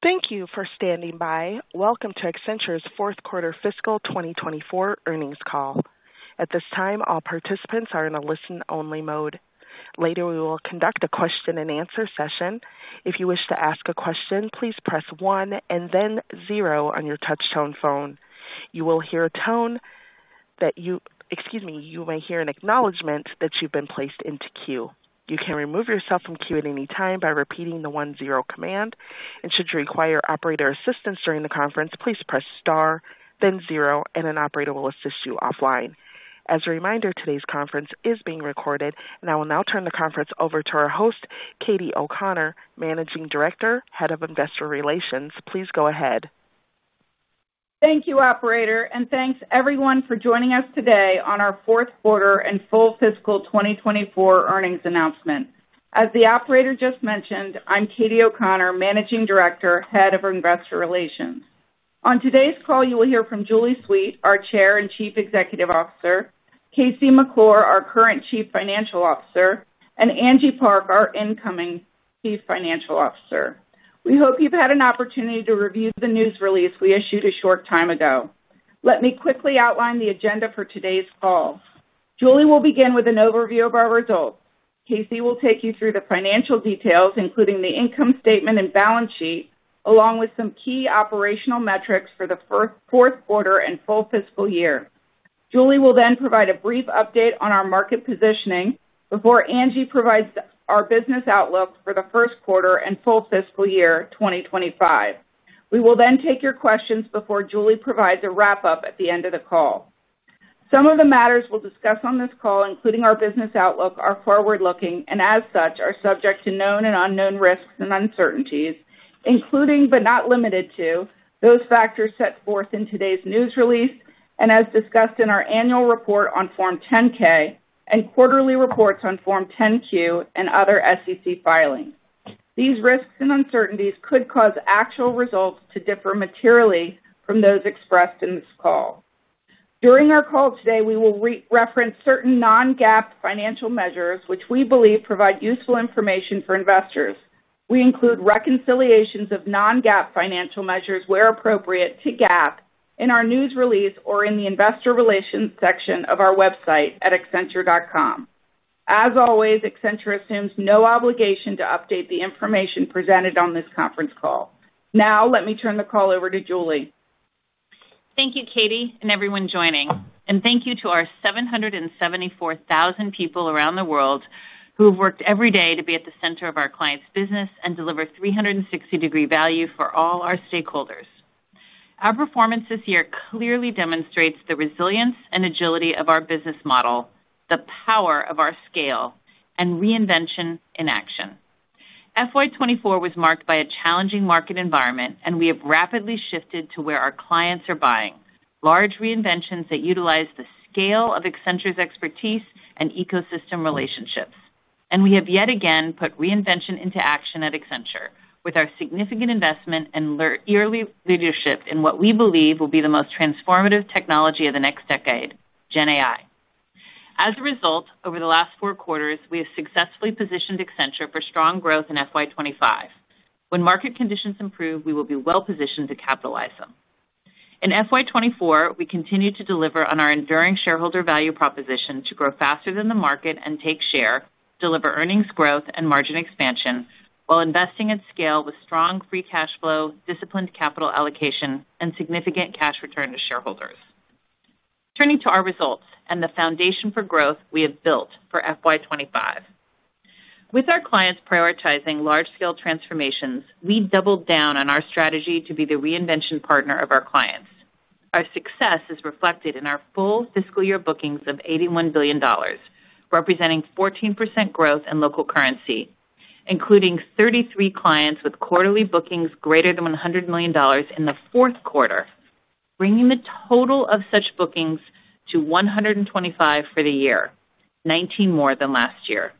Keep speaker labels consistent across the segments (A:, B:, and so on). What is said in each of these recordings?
A: Thank you for standing by. Welcome to Accenture's fourth quarter fiscal 2024 earnings call. At this time, all participants are in a listen-only mode. Later, we will conduct a question-and-answer session. If you wish to ask a question, please press one and then zero on your touchtone phone. Excuse me. You may hear an acknowledgment that you've been placed into queue. You can remove yourself from queue at any time by repeating the one-zero command, and should you require operator assistance during the conference, please press star, then zero, and an operator will assist you offline. As a reminder, today's conference is being recorded, and I will now turn the conference over to our host, Katie O'Conor, Managing Director, Head of Investor Relations. Please go ahead.
B: Thank you, operator, and thanks everyone for joining us today on our fourth quarter and full fiscal 2024 earnings announcement. As the operator just mentioned, I'm Katie O'Conor, Managing Director, Head of Investor Relations. On today's call, you will hear from Julie Sweet, our Chair and Chief Executive Officer, KC McClure, our current Chief Financial Officer, and Angie Park, our incoming Chief Financial Officer. We hope you've had an opportunity to review the news release we issued a short time ago. Let me quickly outline the agenda for today's call. Julie will begin with an overview of our results. KC will take you through the financial details, including the income statement and balance sheet, along with some key operational metrics for this fourth quarter and full fiscal year. Julie will then provide a brief update on our market positioning before Angie provides our business outlook for the first quarter and full fiscal year 2025. We will then take your questions before Julie provides a wrap-up at the end of the call. Some of the matters we'll discuss on this call, including our business outlook, are forward-looking, and as such, are subject to known and unknown risks and uncertainties, including but not limited to, those factors set forth in today's news release and as discussed in our annual report on Form 10-K and quarterly reports on Form 10-Q and other SEC filings. These risks and uncertainties could cause actual results to differ materially from those expressed in this call. During our call today, we will reference certain non-GAAP financial measures, which we believe provide useful information for investors. We include reconciliations of non-GAAP financial measures, where appropriate, to GAAP in our news release or in the investor relations section of our website at accenture.com. As always, Accenture assumes no obligation to update the information presented on this conference call. Now, let me turn the call over to Julie.
C: Thank you, Katie, and everyone joining, and thank you to our 774,000 people around the world who have worked every day to be at the center of our clients' business and deliver 360-degree value for all our stakeholders. Our performance this year clearly demonstrates the resilience and agility of our business model, the power of our scale, and reinvention in action. FY 2024 was marked by a challenging market environment, and we have rapidly shifted to where our clients are buying large reinventions that utilize the scale of Accenture's expertise and ecosystem relationships, and we have yet again put reinvention into action at Accenture with our significant investment and early leadership in what we believe will be the most transformative technology of the next decade, GenAI. As a result, over the last four quarters, we have successfully positioned Accenture for strong growth in FY 2025. When market conditions improve, we will be well positioned to capitalize them. In FY 2024, we continued to deliver on our enduring shareholder value proposition to grow faster than the market and take share, deliver earnings growth and margin expansion while investing at scale with strong free cash flow, disciplined capital allocation, and significant cash return to shareholders. Turning to our results and the foundation for growth we have built for FY 2025. With our clients prioritizing large-scale transformations, we doubled down on our strategy to be the reinvention partner of our clients. Our success is reflected in our full fiscal year bookings of $81 billion, representing 14% growth in local currency, including 33 clients with quarterly bookings greater than $100 million in the fourth quarter, bringing the total of such bookings to 125 for the year, 19 more than last year.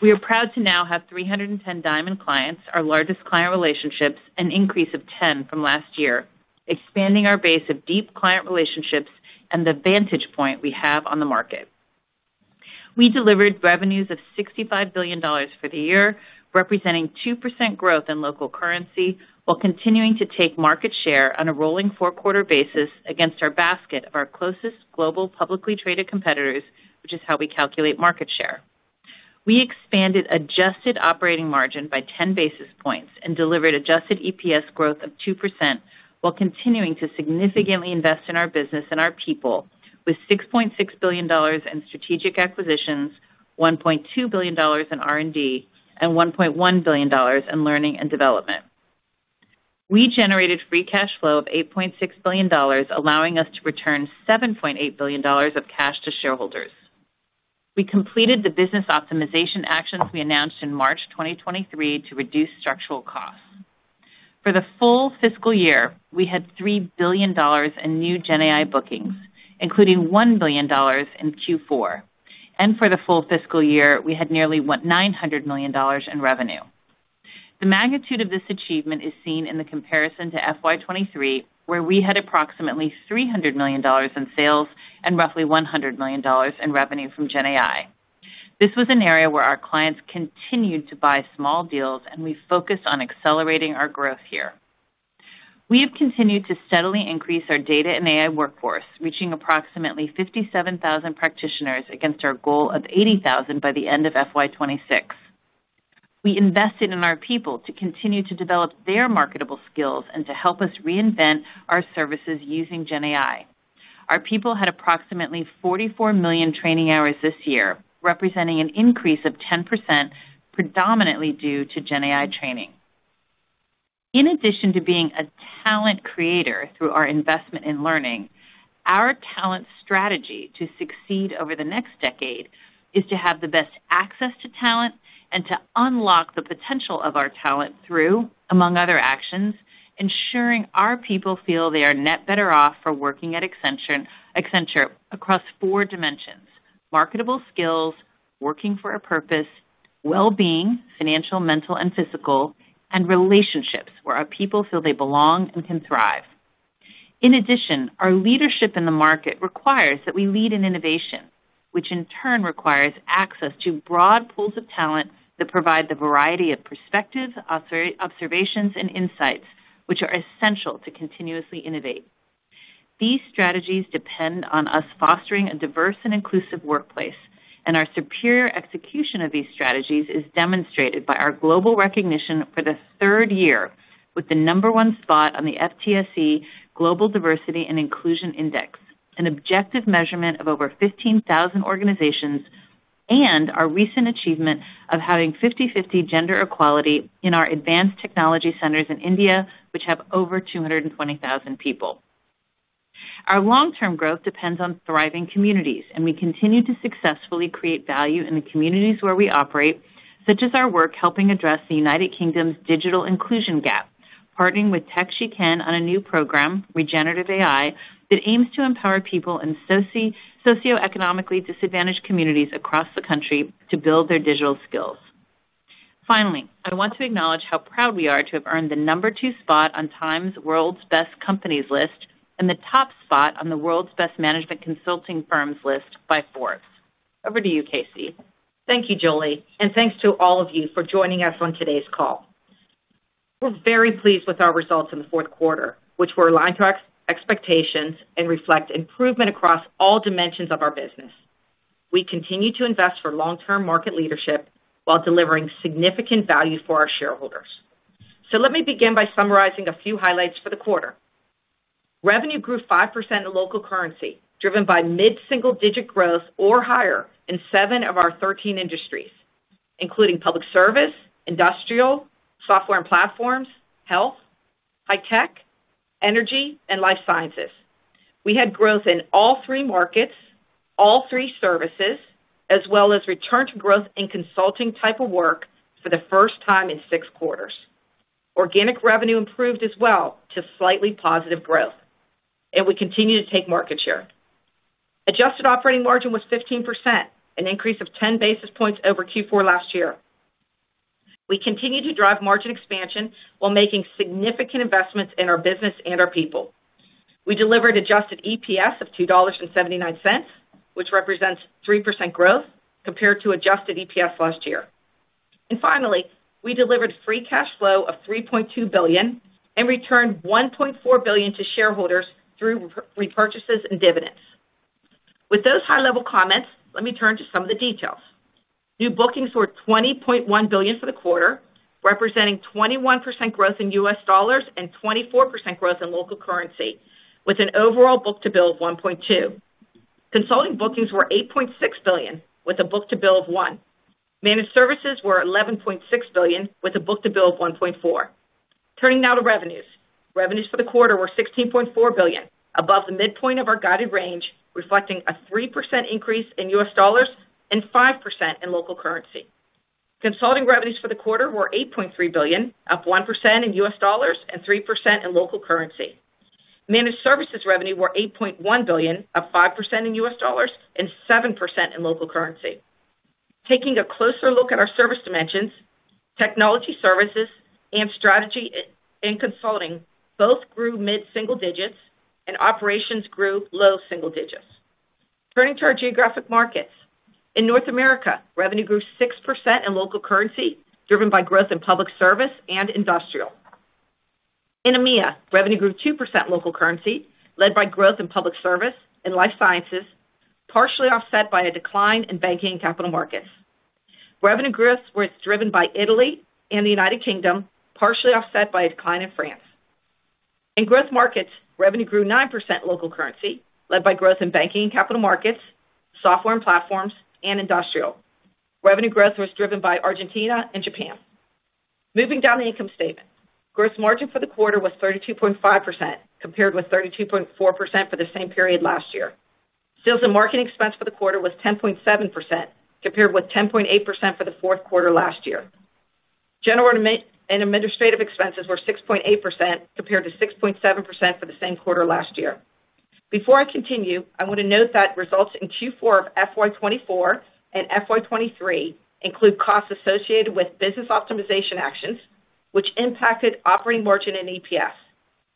C: We are proud to now have 310 Diamond clients, our largest client relationships, an increase of 10 from last year, expanding our base of deep client relationships and the vantage point we have on the market. We delivered revenues of $65 billion for the year, representing 2% growth in local currency, while continuing to take market share on a rolling four-quarter basis against our basket of our closest global publicly traded competitors, which is how we calculate market share. We expanded adjusted operating margin by ten basis points and delivered adjusted EPS growth of 2%, while continuing to significantly invest in our business and our people with $6.6 billion in strategic acquisitions, $1.2 billion in R&D, and $1.1 billion in learning and development. We generated free cash flow of $8.6 billion, allowing us to return $7.8 billion of cash to shareholders. We completed the business optimization actions we announced in March 2023 to reduce structural costs. For the full fiscal year, we had $3 billion in new GenAI bookings, including $1 billion in Q4, and for the full fiscal year, we had nearly $900 million in revenue. The magnitude of this achievement is seen in the comparison to FY 2023, where we had approximately $300 million in sales and roughly $100 million in revenue from GenAI. This was an area where our clients continued to buy small deals, and we focused on accelerating our growth here. We have continued to steadily increase our data and AI workforce, reaching approximately 57,000 practitioners against our goal of 80,000 by the end of FY 2026. We invested in our people to continue to develop their marketable skills and to help us reinvent our services using GenAI. Our people had approximately 44 million training hours this year, representing an increase of 10%, predominantly due to GenAI training. In addition to being a talent creator through our investment in learning, our talent strategy to succeed over the next decade is to have the best access to talent and to unlock the potential of our talent through, among other actions, ensuring our people feel they are net better off for working at Accenture across four dimensions: marketable skills, working for a purpose, well-being, financial, mental, and physical, and relationships, where our people feel they belong and can thrive. In addition, our leadership in the market requires that we lead in innovation, which in turn requires access to broad pools of talent that provide the variety of perspectives, observations, and insights, which are essential to continuously innovate. These strategies depend on us fostering a diverse and inclusive workplace, and our superior execution of these strategies is demonstrated by our global recognition for the third year, with the number one spot on the FTSE Global Diversity and Inclusion Index, an objective measurement of over 15,000 organizations, and our recent achievement of having 50/50 gender equality in our Advanced Technology Centers in India, which have over 220,000 people. Our long-term growth depends on thriving communities, and we continue to successfully create value in the communities where we operate, such as our work helping address the United Kingdom's digital inclusion gap, partnering with Tech She Can on a new program, Regenerative AI, that aims to empower people in socioeconomically disadvantaged communities across the country to build their digital skills. Finally, I want to acknowledge how proud we are to have earned the number two spot on TIME's World's Best Companies list and the top spot on the World's Best Management Consulting Firms list by Forbes. Over to you, KC.
D: Thank you, Julie, and thanks to all of you for joining us on today's call. We're very pleased with our results in the fourth quarter, which were aligned to our expectations and reflect improvement across all dimensions of our business. We continue to invest for long-term market leadership while delivering significant value for our shareholders. So let me begin by summarizing a few highlights for the quarter. Revenue grew 5% in local currency, driven by mid-single-digit growth or higher in seven of our 13 industries, including Public Service, Industrial, Software & Platforms, Health, High Tech, Energy, and Life Sciences. We had growth in all three markets, all three services, as well as return to growth in consulting type of work for the first time in six quarters. Organic revenue improved as well to slightly positive growth, and we continue to take market share. Adjusted operating margin was 15%, an increase of 10 basis points over Q4 last year. We continue to drive margin expansion while making significant investments in our business and our people. We delivered adjusted EPS of $2.79, which represents 3% growth compared to adjusted EPS last year. And finally, we delivered free cash flow of $3.2 billion and returned $1.4 billion to shareholders through repurchases and dividends. With those high-level comments, let me turn to some of the details. New bookings were $20.1 billion for the quarter, representing 21% growth in U.S. dollars and 24% growth in local currency, with an overall book-to-bill of 1.2. Consulting bookings were $8.6 billion, with a book-to-bill of 1.0. Managed Services were $11.6 billion, with a book-to-bill of 1.4. Turning now to revenues. Revenues for the quarter were $16.4 billion, above the midpoint of our guided range, reflecting a 3% increase in U.S. dollars and 5% in local currency. Consulting revenues for the quarter were $8.3 billion, up 1% in U.S. dollars and 3% in local currency. Managed Services revenue were $8.1 billion, up 5% in U.S. dollars and 7% in local currency. Taking a closer look at our service dimensions, technology services and Strategy & Consulting both grew mid-single digits and Operations grew low single digits. Turning to our geographic markets. In North America, revenue grew 6% in local currency, driven by growth in Public Service and Industrial. In EMEA, revenue grew 2% local currency, led by growth in Public Service and Life Sciences, partially offset by a decline in Banking & Capital Markets. Revenue growth was driven by Italy and the United Kingdom, partially offset by a decline in France. In growth markets, revenue grew 9% local currency, led by growth in Banking & Capital Markets, Software & Platforms, and Industrial. Revenue growth was driven by Argentina and Japan. Moving down the income statement. Gross margin for the quarter was 32.5%, compared with 32.4% for the same period last year. Sales and marketing expense for the quarter was 10.7%, compared with 10.8% for the fourth quarter last year. General and administrative expenses were 6.8%, compared to 6.7% for the same quarter last year. Before I continue, I want to note that results in Q4 of FY 2024 and FY 2023 include costs associated with business optimization actions, which impacted operating margin and EPS.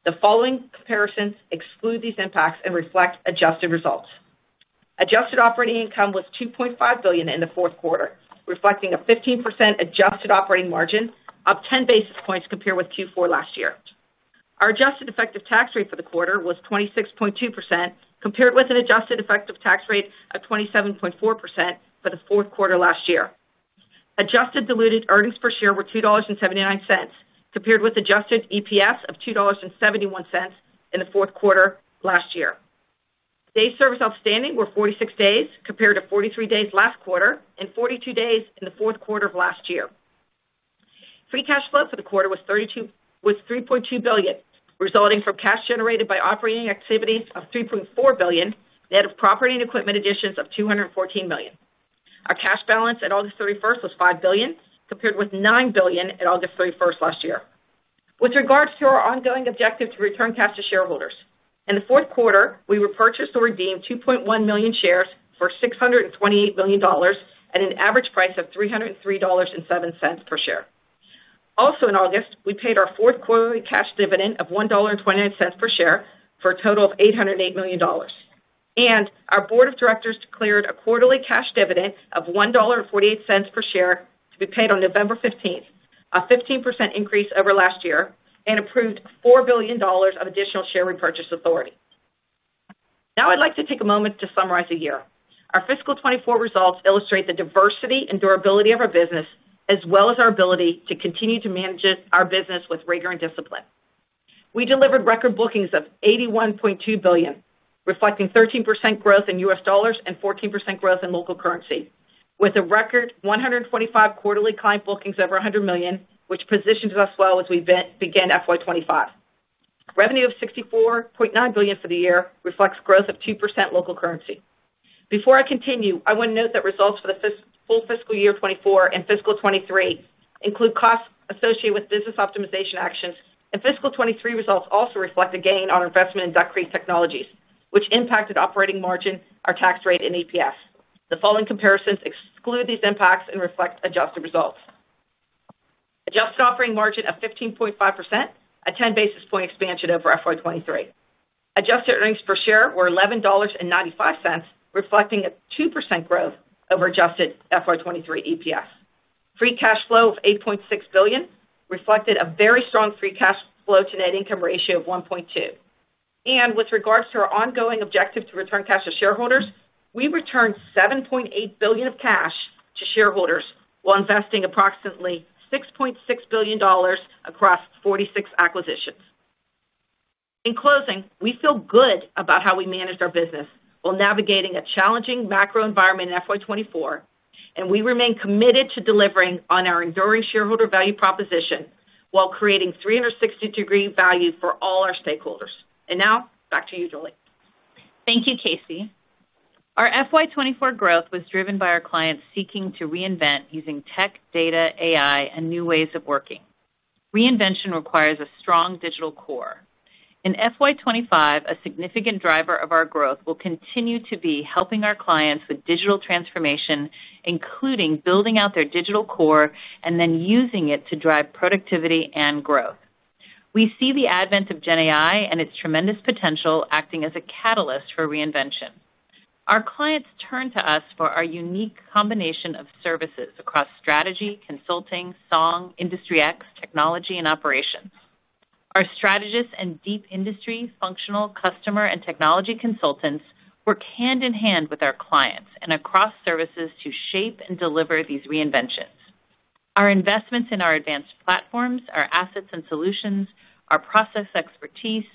D: The following comparisons exclude these impacts and reflect adjusted results. Adjusted operating income was $2.5 billion in the fourth quarter, reflecting a 15% adjusted operating margin, up 10 basis points compared with Q4 last year. Our adjusted effective tax rate for the quarter was 26.2%, compared with an adjusted effective tax rate of 27.4% for the fourth quarter last year. Adjusted diluted earnings per share were $2.79, compared with adjusted EPS of $2.71 in the fourth quarter last year. Days sales outstanding were 46 days, compared to 43 days last quarter and 42 days in the fourth quarter of last year. Free cash flow for the quarter was $3.2 billion, resulting from cash generated by operating activities of $3.4 billion, net of property and equipment additions of $214 million. Our cash balance at August 31st was $5 billion, compared with $9 billion at August 31st last year. With regards to our ongoing objective to return cash to shareholders, in the fourth quarter, we repurchased or redeemed 2.1 million shares for $628 million at an average price of $303.07 per share. Also in August, we paid our fourth quarterly cash dividend of $1.28 per share for a total of $808 million. Our board of directors declared a quarterly cash dividend of $1.48 per share to be paid on November fifteenth, a 15% increase over last year, and approved $4 billion of additional share repurchase authority. Now I'd like to take a moment to summarize the year. Our fiscal 2024 results illustrate the diversity and durability of our business, as well as our ability to continue to manage it, our business, with rigor and discipline. We delivered record bookings of $81.2 billion, reflecting 13% growth in U.S. dollars and 14% growth in local currency, with a record 125 quarterly client bookings over $100 million, which positions us well as we begin FY 2025. Revenue of $64.9 billion for the year reflects growth of 2% local currency. Before I continue, I want to note that results for the full fiscal year 2024 and fiscal 2023 include costs associated with business optimization actions, and fiscal 2023 results also reflect a gain on investment in Duck Creek Technologies, which impacted operating margin, our tax rate, and EPS. The following comparisons exclude these impacts and reflect adjusted results. Adjusted operating margin of 15.5%, a 10 basis point expansion over FY 2023. Adjusted earnings per share were $11.95, reflecting a 2% growth over adjusted FY 2023 EPS. Free cash flow of $8.6 billion reflected a very strong free cash flow to net income ratio of 1.2. And with regards to our ongoing objective to return cash to shareholders, we returned $7.8 billion of cash to shareholders while investing approximately $6.6 billion across 46 acquisitions. In closing, we feel good about how we managed our business while navigating a challenging macro environment in FY 2024, and we remain committed to delivering on our enduring shareholder value proposition while creating 360-degree value for all our stakeholders. And now, back to you, Julie.
C: Thank you, KC. Our FY 2024 growth was driven by our clients seeking to reinvent using tech, data, AI, and new ways of working. Reinvention requires a strong digital core. In FY 2025, a significant driver of our growth will continue to be helping our clients with digital transformation, including building out their digital core and then using it to drive productivity and growth. We see the advent of GenAI and its tremendous potential acting as a catalyst for reinvention. Our clients turn to us for our unique combination of services across Strategy, Consulting, Song, Industry X, Technology, and Operations. Our strategists and deep industry, functional, customer, and technology consultants work hand in hand with our clients and across services to shape and deliver these reinventions. Our investments in our advanced platforms, our assets and solutions, our process expertise,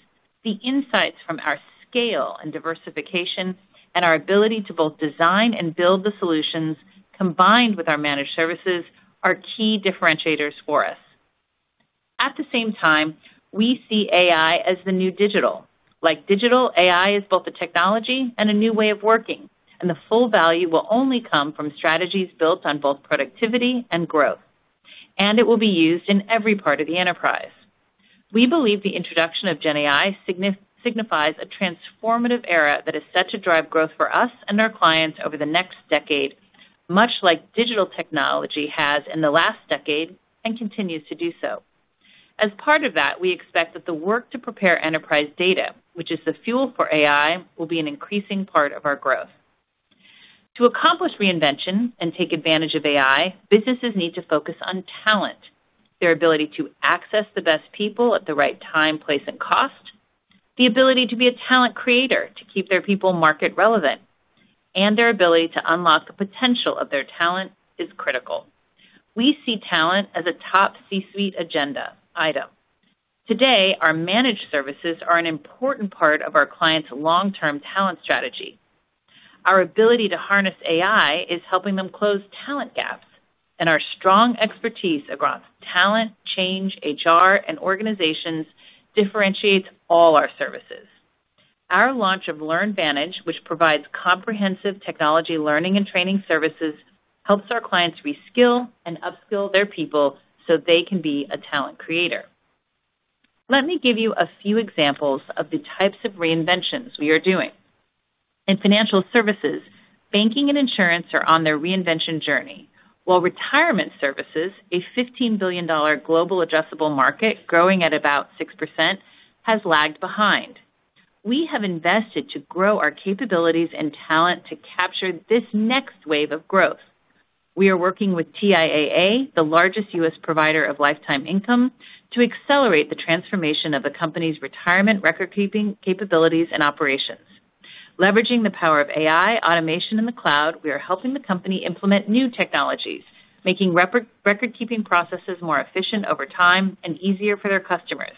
C: the insights from our scale and diversification, and our ability to both design and build the solutions, combined with our Managed Services, are key differentiators for us. At the same time, we see AI as the new digital. Like digital, AI is both a technology and a new way of working, and the full value will only come from strategies built on both productivity and growth, and it will be used in every part of the enterprise. We believe the introduction of GenAI signifies a transformative era that is set to drive growth for us and our clients over the next decade, much like digital technology has in the last decade and continues to do so. As part of that, we expect that the work to prepare enterprise data, which is the fuel for AI, will be an increasing part of our growth. To accomplish reinvention and take advantage of AI, businesses need to focus on talent, their ability to access the best people at the right time, place, and cost, the ability to be a talent creator, to keep their people market relevant, and their ability to unlock the potential of their talent is critical. We see talent as a top C-suite agenda item. Today, our Managed Services are an important part of our clients' long-term talent strategy. Our ability to harness AI is helping them close talent gaps, and our strong expertise across talent, change, HR, and organizations differentiates all our services. Our launch of LearnVantage, which provides comprehensive technology learning and training services, helps our clients reskill and upskill their people so they can be a talent creator. Let me give you a few examples of the types of reinventions we are doing. In financial services, banking and insurance are on their reinvention journey, while retirement services, a $15 billion global addressable market growing at about 6%, has lagged behind. We have invested to grow our capabilities and talent to capture this next wave of growth. We are working with TIAA, the largest U.S. provider of lifetime income, to accelerate the transformation of the company's retirement recordkeeping, capabilities, and operations. Leveraging the power of AI, automation, and the cloud, we are helping the company implement new technologies, making recordkeeping processes more efficient over time and easier for their customers.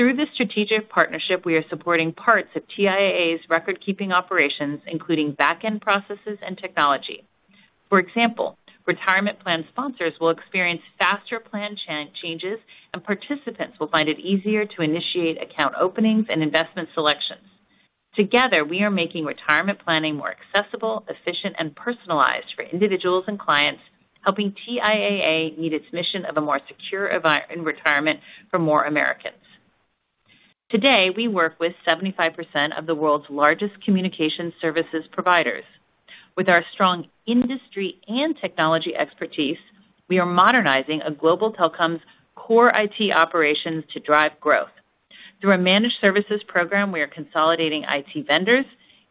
C: Through this strategic partnership, we are supporting parts of TIAA's recordkeeping operations, including back-end processes and technology. For example, retirement plan sponsors will experience faster plan changes, and participants will find it easier to initiate account openings and investment selections. Together, we are making retirement planning more accessible, efficient, and personalized for individuals and clients, helping TIAA meet its mission of a more secure environment in retirement for more Americans. Today, we work with 75% of the world's largest communication services providers. With our strong industry and technology expertise, we are modernizing a global telecom's core IT operations to drive growth. Through our Managed Services program, we are consolidating IT vendors,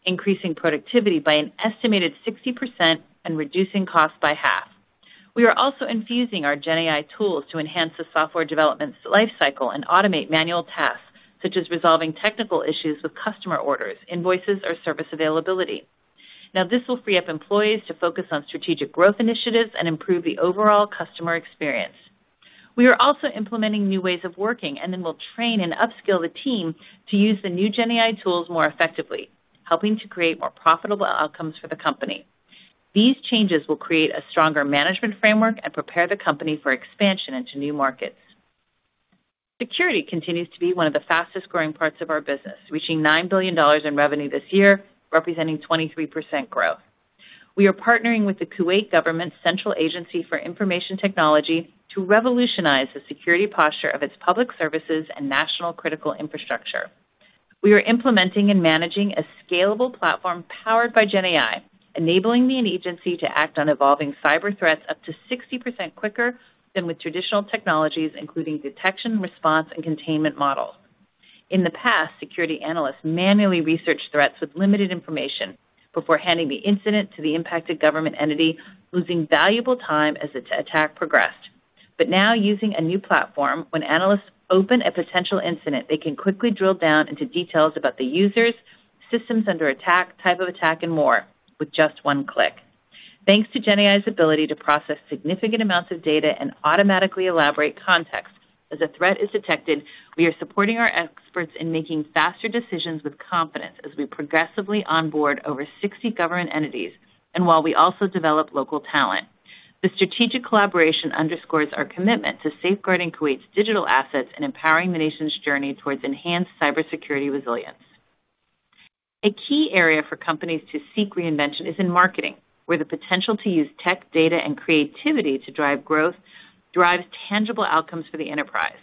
C: increasing productivity by an estimated 60% and reducing costs by half. We are also infusing our GenAI tools to enhance the software development lifecycle and automate manual tasks, such as resolving technical issues with customer orders, invoices, or service availability. Now, this will free up employees to focus on strategic growth initiatives and improve the overall customer experience. We are also implementing new ways of working, and then we'll train and upskill the team to use the new GenAI tools more effectively, helping to create more profitable outcomes for the company. These changes will create a stronger management framework and prepare the company for expansion into new markets. Security continues to be one of the fastest-growing parts of our business, reaching $9 billion in revenue this year, representing 23% growth. We are partnering with the Kuwait Government Central Agency for Information Technology to revolutionize the security posture of its Public Services and National Critical Infrastructure. We are implementing and managing a scalable platform powered by GenAI, enabling the agency to act on evolving cyber threats up to 60% quicker than with traditional technologies, including detection, response, and containment models. In the past, security analysts manually researched threats with limited information before handing the incident to the impacted government entity, losing valuable time as its attack progressed. But now, using a new platform, when analysts open a potential incident, they can quickly drill down into details about the users, systems under attack, type of attack, and more with just one click. Thanks to GenAI's ability to process significant amounts of data and automatically elaborate context as a threat is detected, we are supporting our experts in making faster decisions with confidence as we progressively onboard over 60 government entities and while we also develop local talent. The strategic collaboration underscores our commitment to safeguarding Kuwait's digital assets and empowering the nation's journey towards enhanced cybersecurity resilience. A key area for companies to seek reinvention is in marketing, where the potential to use tech, data, and creativity to drive growth drives tangible outcomes for the enterprise.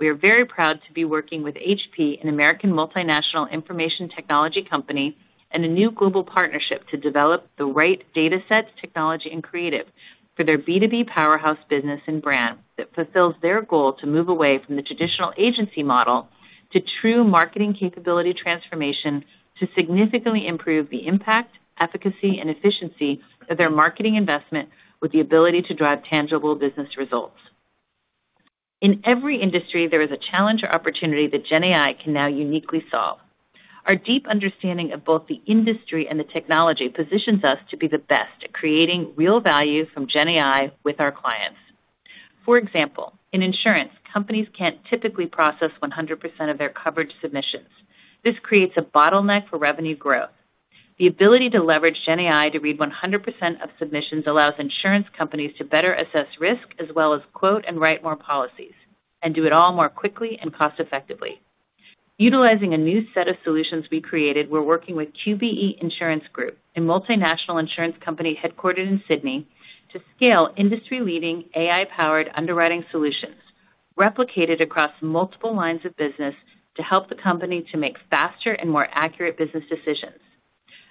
C: We are very proud to be working with HP, an American multinational information technology company, and a new global partnership to develop the right data sets, technology, and creative for their B2B powerhouse business and brand that fulfills their goal to move away from the traditional agency model to true marketing capability transformation to significantly improve the impact, efficacy, and efficiency of their marketing investment with the ability to drive tangible business results. In every industry, there is a challenge or opportunity that GenAI can now uniquely solve. Our deep understanding of both the industry and the technology positions us to be the best at creating real value from GenAI with our clients. For example, in insurance, companies can't typically process 100% of their coverage submissions. This creates a bottleneck for revenue growth. The ability to leverage GenAI to read 100% of submissions allows insurance companies to better assess risk, as well as quote and write more policies, and do it all more quickly and cost-effectively. Utilizing a new set of solutions we created, we're working with QBE Insurance Group, a multinational insurance company headquartered in Sydney, to scale industry-leading AI-powered underwriting solutions replicated across multiple lines of business to help the company to make faster and more accurate business decisions.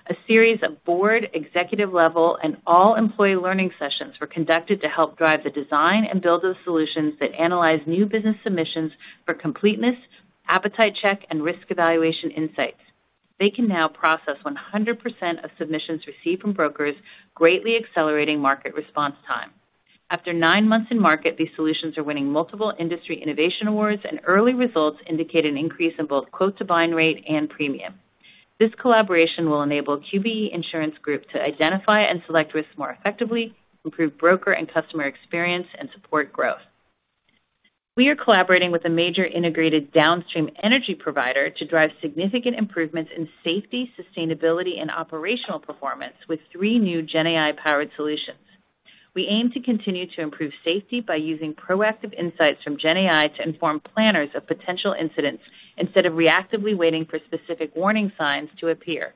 C: A series of board, executive-level, and all-employee learning sessions were conducted to help drive the design and build of solutions that analyze new business submissions for completeness, appetite check, and risk evaluation insights. They can now process 100% of submissions received from brokers, greatly accelerating market response time. After nine months in market, these solutions are winning multiple industry innovation awards, and early results indicate an increase in both quote-to-bind rate and premium. This collaboration will enable QBE Insurance Group to identify and select risks more effectively, improve broker and customer experience, and support growth. We are collaborating with a major integrated downstream energy provider to drive significant improvements in safety, sustainability, and operational performance with three new GenAI-powered solutions. We aim to continue to improve safety by using proactive insights from GenAI to inform planners of potential incidents, instead of reactively waiting for specific warning signs to appear.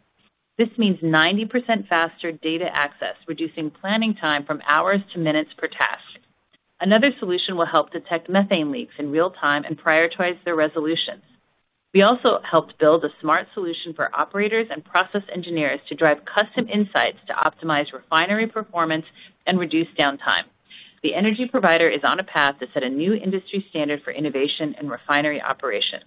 C: This means 90% faster data access, reducing planning time from hours to minutes per task. Another solution will help detect methane leaks in real time and prioritize their resolutions. We also helped build a smart solution for operators and process engineers to drive custom insights to optimize refinery performance and reduce downtime. The energy provider is on a path to set a new industry standard for innovation and refinery operations.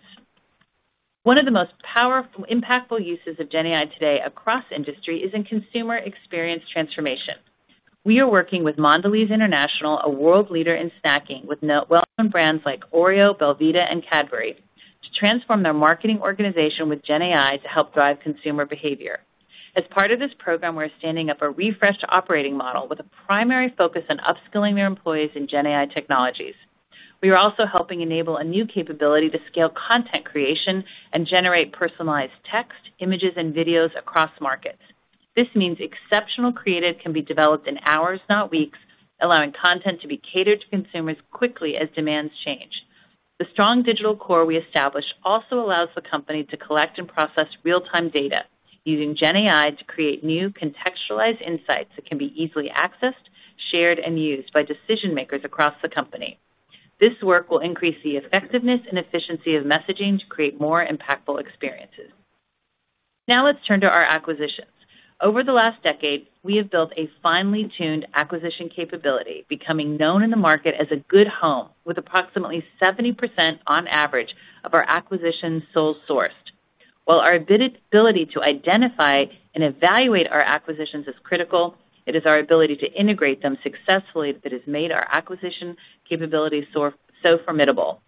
C: One of the most powerful, impactful uses of GenAI today across industry is in consumer experience transformation. We are working with Mondelez International, a world leader in snacking, with notable brands like Oreo, belVita, and Cadbury, to transform their marketing organization with GenAI to help drive consumer behavior. As part of this program, we're standing up a refreshed operating model with a primary focus on upskilling their employees in GenAI technologies. We are also helping enable a new capability to scale content creation and generate personalized text, images, and videos across markets. This means exceptional creative can be developed in hours, not weeks, allowing content to be catered to consumers quickly as demands change. The strong digital core we established also allows the company to collect and process real-time data using GenAI to create new contextualized insights that can be easily accessed, shared, and used by decision-makers across the company. This work will increase the effectiveness and efficiency of messaging to create more impactful experiences. Now let's turn to our acquisitions. Over the last decade, we have built a finely tuned acquisition capability, becoming known in the market as a good home, with approximately 70% on average of our acquisitions sole-sourced. While our ability to identify and evaluate our acquisitions is critical, it is our ability to integrate them successfully that has made our acquisition capabilities so, so formidable.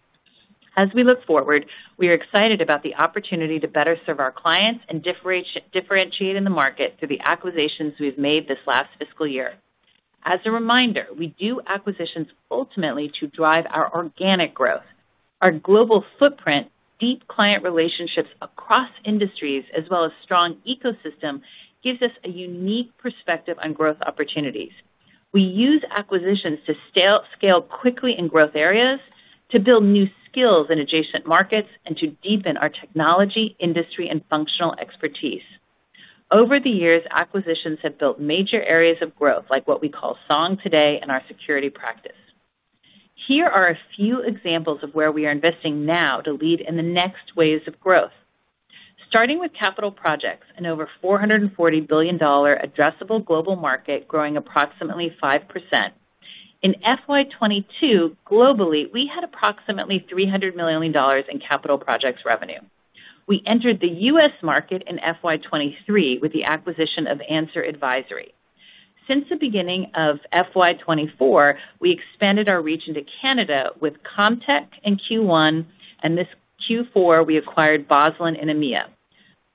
C: As we look forward, we are excited about the opportunity to better serve our clients and differentiate in the market through the acquisitions we've made this last fiscal year. As a reminder, we do acquisitions ultimately to drive our organic growth. Our global footprint, deep client relationships across industries, as well as strong ecosystem, gives us a unique perspective on growth opportunities. We use acquisitions to scale, scale quickly in growth areas, to build new skills in adjacent markets, and to deepen our technology, industry, and functional expertise. Over the years, acquisitions have built major areas of growth, like what we call Song today and our security practice. Here are a few examples of where we are investing now to lead in the next waves of growth. Starting with capital projects, an over $440 billion addressable global market growing approximately 5%. In FY 2022, globally, we had approximately $300 million in capital projects revenue. We entered the U.S. market in FY 2023 with the acquisition of Anser Advisory. Since the beginning of FY 2024, we expanded our reach into Canada with Comtech in Q1, and this Q4, we acquired Boslan in EMEA.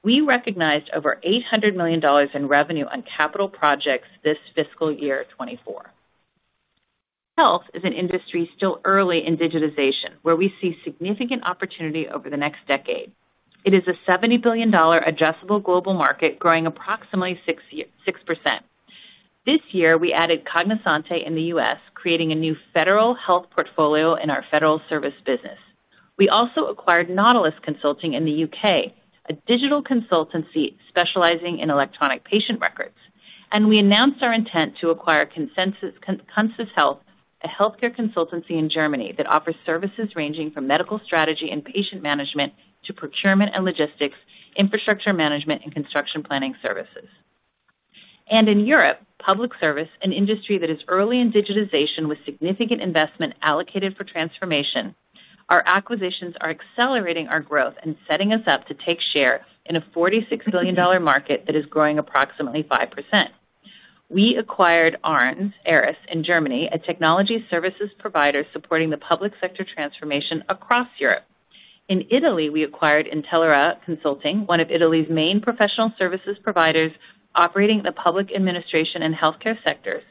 C: We recognized over $800 million in revenue on capital projects this fiscal year 2024. Health is an industry still early in digitization, where we see significant opportunity over the next decade. It is a $70 billion addressable global market, growing approximately 6%. This year, we added Cognosante in the U.S., creating a new federal health portfolio in our federal service business. We also acquired Nautilus Consulting in the U.K., a digital consultancy specializing in electronic patient records, and we announced our intent to acquire Consus Health, a healthcare consultancy in Germany that offers services ranging from Medical Strategy and Patient Management to Procurement and Logistics, Infrastructure Management, and Construction Planning Services, and in Europe, public sector, an industry that is early in digitization with significant investment allocated for transformation, our acquisitions are accelerating our growth and setting us up to take share in a $46 billion market that is growing approximately 5%. We acquired Arhs Group in Germany, a technology services provider supporting the public sector transformation across Europe. In Italy, we acquired Intellera Consulting, one of Italy's main professional services providers operating in the public administration and healthcare sectors,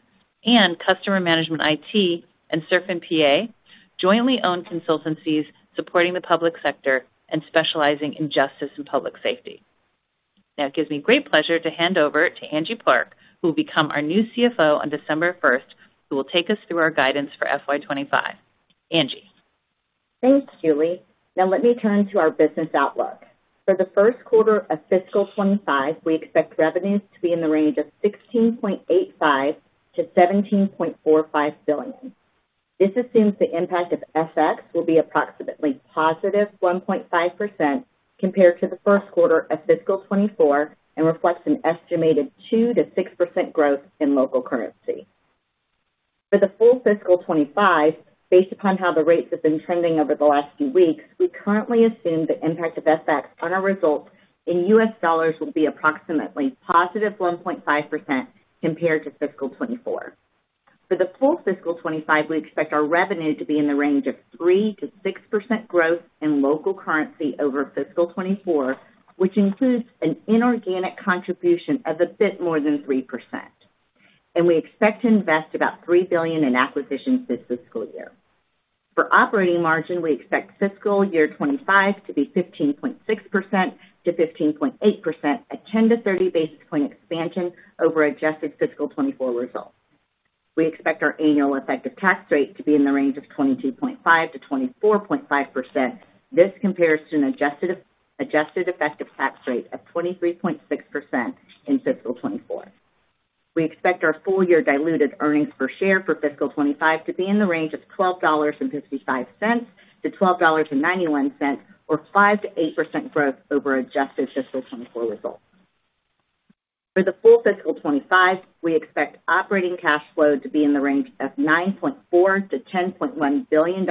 C: and Customer Management IT and SirfinPA, jointly owned consultancies supporting the public sector and specializing in justice and public safety. Now, it gives me great pleasure to hand over to Angie Park, who will become our new CFO on December first, who will take us through our guidance for FY 2025. Angie?
E: Thanks, Julie. Now let me turn to our business outlook. For the first quarter of fiscal 2025, we expect revenues to be in the range of $16.85 billion-$17.45 billion. This assumes the impact of FX will be approximately positive 1.5% compared to the first quarter of fiscal 2024 and reflects an estimated 2%-6% growth in local currency. For the full fiscal 2025, based upon how the rates have been trending over the last few weeks, we currently assume the impact of FX on our results in U.S. dollars will be approximately +1.5% compared to fiscal 2024. For the full fiscal 2025, we expect our revenue to be in the range of 3%-6% growth in local currency over fiscal 2024, which includes an inorganic contribution of a bit more than 3%. We expect to invest about $3 billion in acquisitions this fiscal year. For operating margin, we expect fiscal year 2025 to be 15.6%-15.8%, a 10 basis points-30 basis points expansion over adjusted fiscal 2024 results. We expect our annual effective tax rate to be in the range of 22.5%-24.5%. This compares to an adjusted, adjusted effective tax rate of 23.6% in fiscal 2024. We expect our full year diluted earnings per share for fiscal 2025 to be in the range of $12.55-$12.91, or 5%-8% growth over adjusted fiscal 2024 results. For the full fiscal 2025, we expect operating cash flow to be in the range of $9.4 billion-$10.1 billion,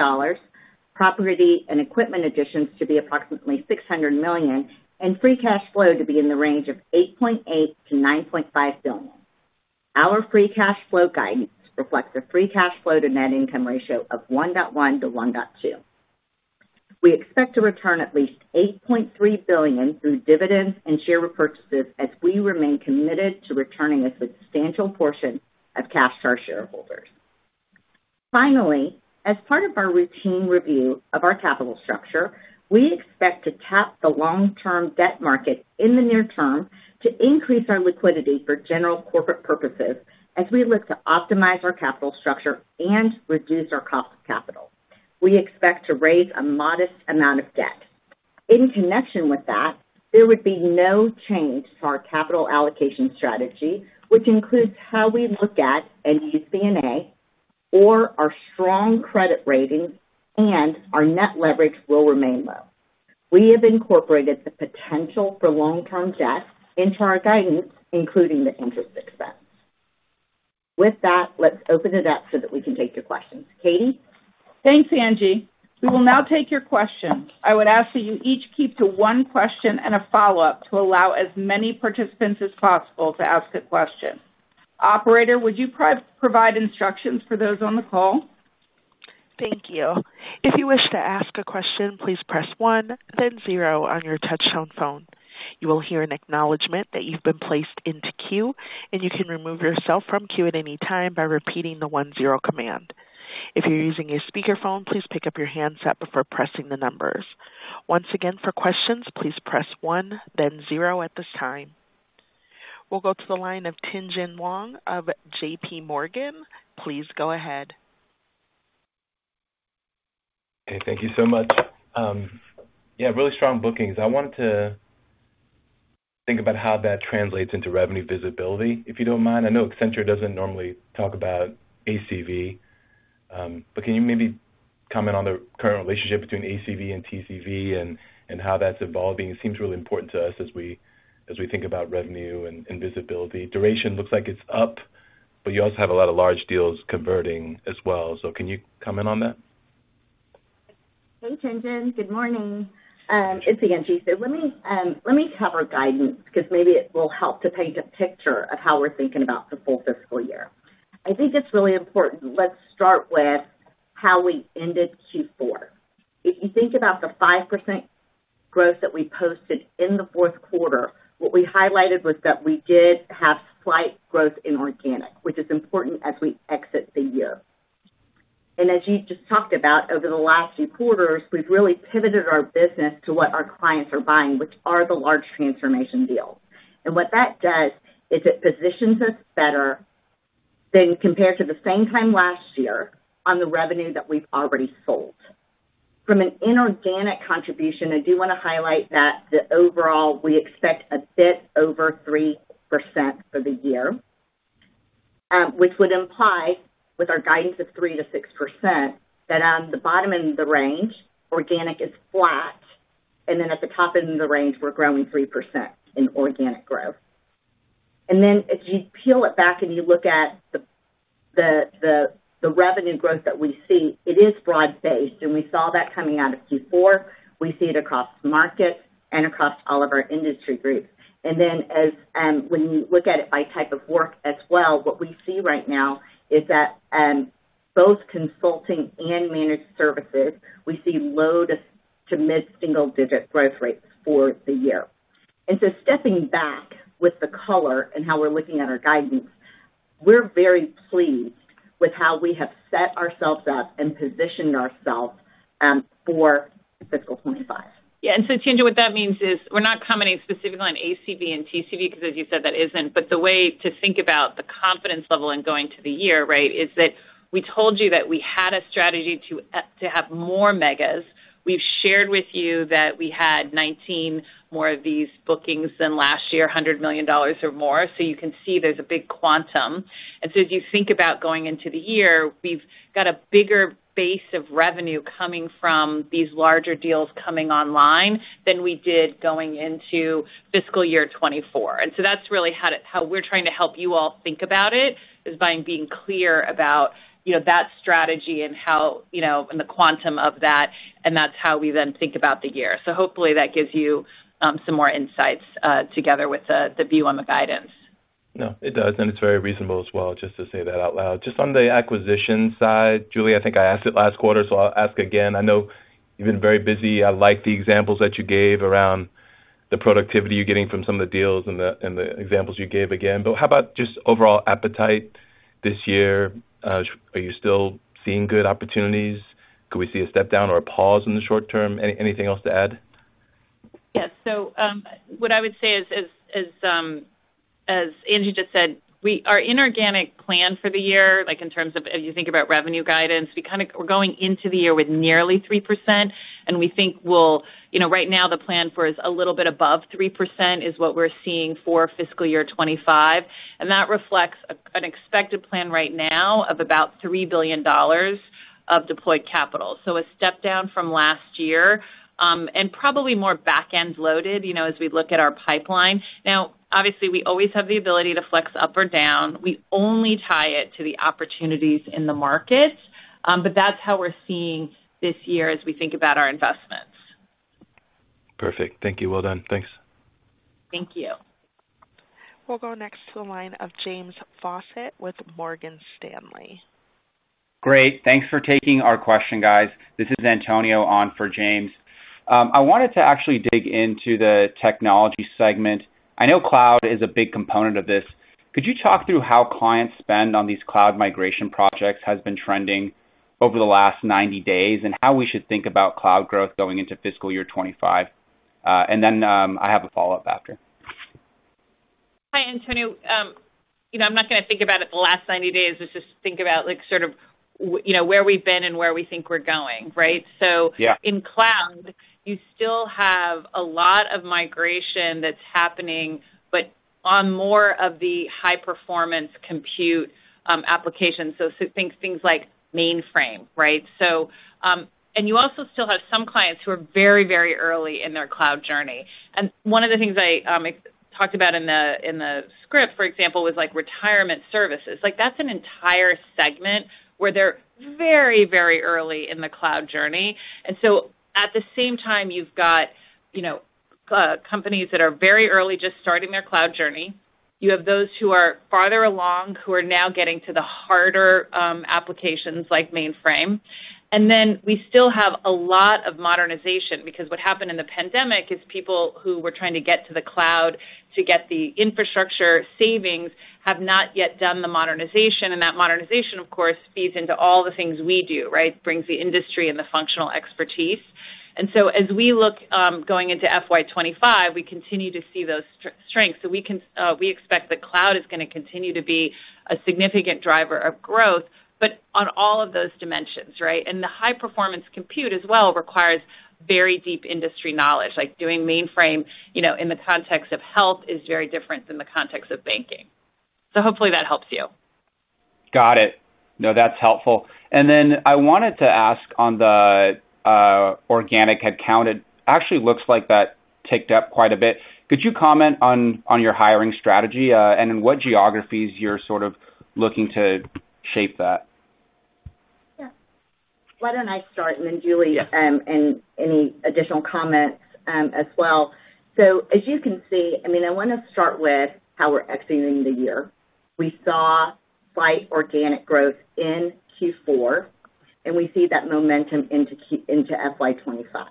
E: property and equipment additions to be approximately $600 million, and free cash flow to be in the range of $8.8 billion-$9.5 billion. Our free cash flow guidance reflects a free cash flow to net income ratio of 1.1-1.2. We expect to return at least $8.3 billion through dividends and share repurchases, as we remain committed to returning a substantial portion of cash to our shareholders. Finally, as part of our routine review of our capital structure, we expect to tap the long-term debt market in the near term to increase our liquidity for general corporate purposes as we look to optimize our capital structure and reduce our cost of capital. We expect to raise a modest amount of debt. In connection with that, there would be no change to our capital allocation strategy, which includes how we look at and use cash, or our strong credit ratings, and our net leverage will remain low. We have incorporated the potential for long-term debt into our guidance, including the interest expense. With that, let's open it up so that we can take your questions. Katie?
B: Thanks, Angie. We will now take your questions. I would ask that you each keep to one question and a follow-up to allow as many participants as possible to ask a question. Operator, would you provide instructions for those on the call?
A: Thank you. If you wish to ask a question, please press one, then zero on your touchtone phone. You will hear an acknowledgment that you've been placed into queue, and you can remove yourself from queue at any time by repeating the one-zero command. If you're using a speakerphone, please pick up your handset before pressing the numbers. Once again, for questions, please press one, then zero at this time. We'll go to the line of Tien-Tsin Huang of JPMorgan. Please go ahead.
F: Okay, thank you so much. Yeah, really strong bookings. I wanted to think about how that translates into revenue visibility, if you don't mind. I know Accenture doesn't normally talk about ACV, but can you maybe comment on the current relationship between ACV and TCV and how that's evolving? It seems really important to us as we think about revenue and visibility. Duration looks like it's up, but you also have a lot of large deals converting as well. So can you comment on that?
E: Hey, Tien-Tsin. Good morning. It's Angie. So let me cover guidance, because maybe it will help to paint a picture of how we're thinking about the full fiscal year. I think it's really important. Let's start with how we ended Q4. If you think about the 5% growth that we posted in the fourth quarter, what we highlighted was that we did have slight growth in organic, which is important as we exit the year. And as you just talked about, over the last few quarters, we've really pivoted our business to what our clients are buying, which are the large transformation deals. And what that does is it positions us better than compared to the same time last year on the revenue that we've already sold. From an inorganic contribution, I do want to highlight that overall, we expect a bit over 3% for the year, which would imply, with our guidance of 3%-6%, that on the bottom end of the range, organic is flat, and then at the top end of the range, we're growing 3% in organic growth. And then as you peel it back and you look at the revenue growth that we see, it is broad-based, and we saw that coming out of Q4. We see it across markets and across all of our industry groups. And then as when you look at it by type of work as well, what we see right now is that both Consulting and Managed Services, we see low to mid-single digit growth rates for the year. And so stepping back with the color and how we're looking at our guidance, we're very pleased with how we have set ourselves up and positioned ourselves for fiscal 2025.
C: Yeah, and so, Tien-Tsin, what that means is we're not commenting specifically on ACV and TCV, because as you said, that isn't. But the way to think about the confidence level in going to the year, right, is that we told you that we had a strategy to have more megas. We've shared with you that we had nineteen more of these bookings than last year, $100 million or more. So you can see there's a big quantum. And so as you think about going into the year, we've got a bigger base of revenue coming from these larger deals coming online than we did going into fiscal year 2024. And so that's really how we're trying to help you all think about it, is by being clear about, you know, that strategy and how, you know, and the quantum of that, and that's how we then think about the year. So hopefully that gives you some more insights together with the view on the guidance.
F: No, it does, and it's very reasonable as well, just to say that out loud. Just on the acquisition side, Julie, I think I asked it last quarter, so I'll ask again. I know you've been very busy. I like the examples that you gave around the productivity you're getting from some of the deals and the examples you gave again. But how about just overall appetite this year? Are you still seeing good opportunities? Could we see a step down or a pause in the short term? Anything else to add?
C: Yes. So, what I would say is, as Angie just said, our inorganic plan for the year, like in terms of if you think about revenue guidance, we're going into the year with nearly 3%, and we think we'll. You know, right now the plan for us, a little bit above 3% is what we're seeing for fiscal year 2025, and that reflects an expected plan right now of about $3 billion of deployed capital. So a step down from last year, and probably more back-end loaded, you know, as we look at our pipeline. Now, obviously, we always have the ability to flex up or down. We only tie it to the opportunities in the market, but that's how we're seeing this year as we think about our investments.
F: Perfect. Thank you. Well done. Thanks.
C: Thank you.
A: We'll go next to the line of James Faucette with Morgan Stanley.
G: Great. Thanks for taking our question, guys. This is Antonio on for James. I wanted to actually dig into the technology segment. I know cloud is a big component of this. Could you talk through how clients spend on these cloud migration projects has been trending over the last ninety days, and how we should think about cloud growth going into fiscal year 2025? And then, I have a follow-up after.
C: Hi, Antonio. You know, I'm not going to think about it the last 90 days. Let's just think about, like, sort of you know, where we've been and where we think we're going, right?
G: Yeah.
C: So in cloud, you still have a lot of migration that's happening, but on more of the high-performance compute applications, so think things like mainframe, right? So and you also still have some clients who are very, very early in their cloud journey. And one of the things I talked about in the script, for example, was like retirement services. Like, that's an entire segment where they're very, very early in the cloud journey. And so at the same time, you've got, you know, companies that are very early, just starting their cloud journey. You have those who are farther along, who are now getting to the harder applications like mainframe. And then we still have a lot of modernization, because what happened in the pandemic is people who were trying to get to the cloud to get the infrastructure savings have not yet done the modernization, and that modernization, of course, feeds into all the things we do, right? Brings the industry and the functional expertise. And so as we look, going into FY 2025, we continue to see those strengths. So we expect that cloud is going to continue to be a significant driver of growth, but on all of those dimensions, right? And the high-performance compute as well requires very deep industry knowledge, like doing mainframe, you know, in the context of Health is very different than the context of banking. So hopefully that helps you.
G: Got it. No, that's helpful. And then I wanted to ask on the organic headcount, it actually looks like that ticked up quite a bit. Could you comment on your hiring strategy, and in what geographies you're sort of looking to shape that?
E: Yeah. Why don't I start, and then Julie,
G: Yeah.
E: and any additional comments, as well. So as you can see, I mean, I want to start with how we're exiting the year. We saw slight organic growth in Q4, and we see that momentum into FY 2025.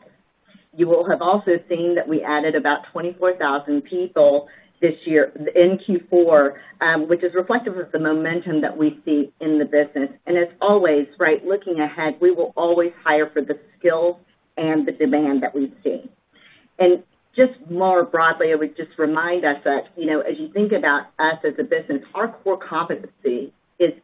E: You will have also seen that we added about 24,000 people this year in Q4, which is reflective of the momentum that we see in the business. And as always, right, looking ahead, we will always hire for the skills and the demand that we see. And just more broadly, I would just remind us that, you know, as you think about us as a business, our core competency is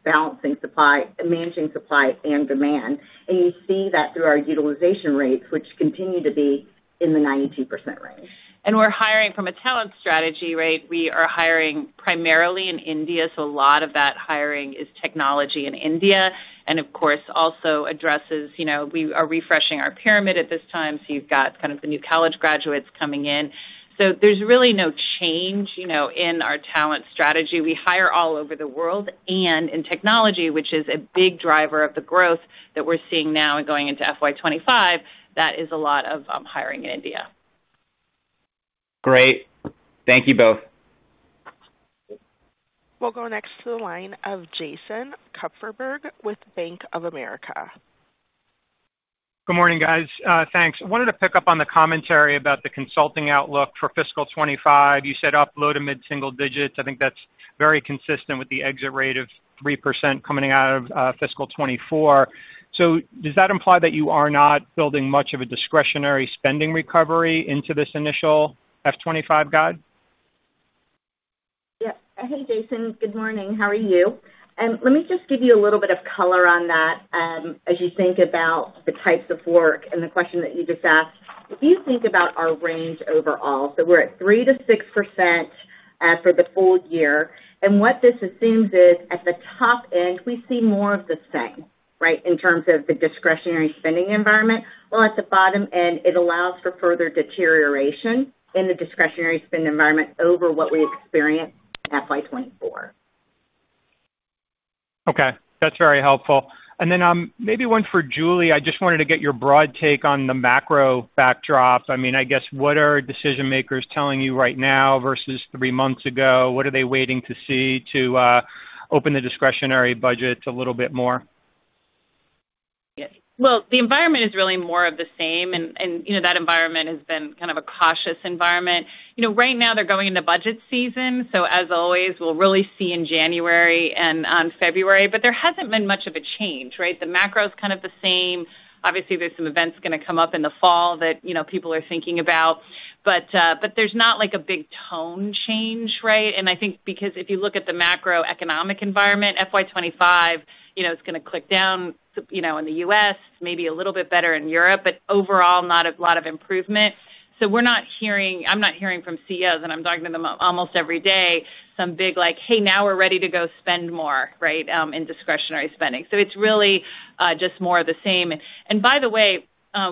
E: balancing supply, managing supply and demand, and you see that through our utilization rates, which continue to be in the 92% range.
C: And we're hiring from a talent strategy, right? We are hiring primarily in India, so a lot of that hiring is technology in India, and of course, also addresses, you know, we are refreshing our pyramid at this time, so you've got kind of the new college graduates coming in, so there's really no change, you know, in our talent strategy. We hire all over the world and in technology, which is a big driver of the growth that we're seeing now and going into FY 2025, that is a lot of hiring in India.
G: Great. Thank you both.
A: We'll go next to the line of Jason Kupferberg with Bank of America.
H: Good morning, guys. Thanks. I wanted to pick up on the commentary about the Consulting outlook for fiscal 2025. You said up low- to mid-single digits. I think that's very consistent with the exit rate of 3% coming out of fiscal 2024. So does that imply that you are not building much of a discretionary spending recovery into this initial FY 2025 guide?
E: Yeah. Hey, Jason, good morning. How are you? Let me just give you a little bit of color on that, as you think about the types of work and the question that you just asked. If you think about our range overall, so we're at 3%-6% for the full year, and what this assumes is, at the top end, we see more of the same, right, in terms of the discretionary spending environment. While at the bottom end, it allows for further deterioration in the discretionary spend environment over what we experienced in FY 2024.
H: Okay, that's very helpful. And then, maybe one for Julie. I just wanted to get your broad take on the macro backdrop. I mean, I guess, what are decision-makers telling you right now versus three months ago? What are they waiting to see to open the discretionary budgets a little bit more?
C: Yes. Well, the environment is really more of the same, and you know, that environment has been kind of a cautious environment. You know, right now they're going into budget season, so as always, we'll really see in January and February. But there hasn't been much of a change, right? The macro is kind of the same. Obviously, there's some events going to come up in the fall that, you know, people are thinking about, but but there's not like a big tone change, right? And I think because if you look at the macroeconomic environment, FY 2025, you know, it's going to tick down, you know, in the U.S., maybe a little bit better in Europe, but overall, not a lot of improvement. We're not hearing, I'm not hearing from CEOs, and I'm talking to them almost every day, some big like, "Hey, now we're ready to go spend more," right in discretionary spending. It's really just more of the same. By the way,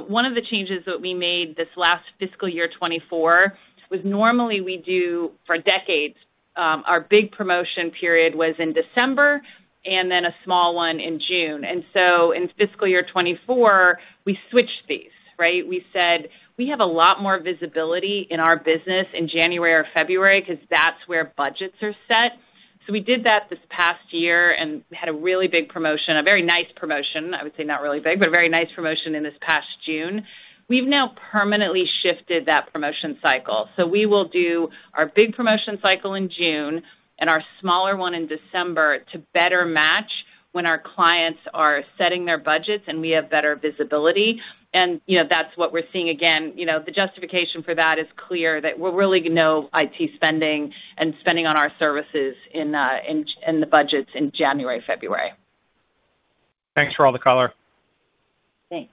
C: one of the changes that we made this last fiscal year 2024 was normally we do, for decades, our big promotion period was in December, and then a small one in June. So in fiscal year 2024, we switched these, right? We said, "We have a lot more visibility in our business in January or February," because that's where budgets are set. We did that this past year, and we had a really big promotion, a very nice promotion. I would say not really big, but a very nice promotion in this past June. We've now permanently shifted that promotion cycle. So we will do our big promotion cycle in June and our smaller one in December to better match when our clients are setting their budgets, and we have better visibility, and you know, that's what we're seeing again. You know, the justification for that is clear, that we really know IT spending and spending on our services in the budgets in January, February.
H: Thanks for all the color.
E: Thanks.